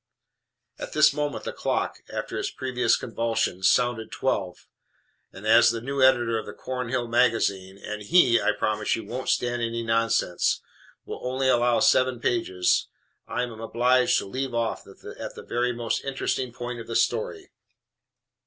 At this moment the clock (after its previous convulsions) sounded TWELVE. And as the new Editor* of the Cornhill Magazine and HE, I promise you, won't stand any nonsense will only allow seven pages, I am obliged to leave off at THE VERY MOST INTERESTING POINT OF THE STORY.